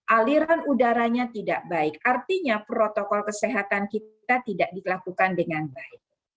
aliran udaranya tidak baik artinya protokol kesehatan kita tidak dilakukan dengan baik